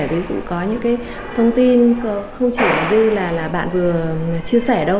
ví dụ có những thông tin không chỉ như là bạn vừa chia sẻ đâu